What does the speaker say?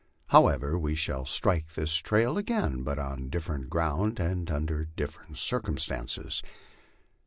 However, we shall strike this trail again, but on different ground and under different circumstances.